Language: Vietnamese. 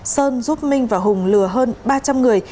sơn giúp minh và hùng lừa hơn ba trăm linh người